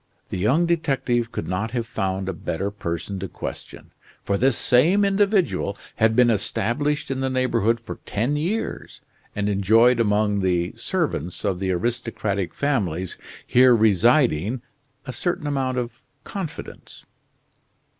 The young detective could not have found a better person to question, for this same individual had been established in the neighborhood for ten years, and enjoyed among the servants of the aristocratic families here residing a certain amount of confidence.